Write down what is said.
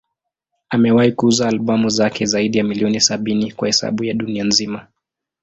Amewahi kuuza albamu zake zaidi ya milioni sabini kwa hesabu ya dunia nzima.